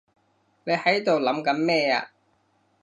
你喺度諗緊咩啊？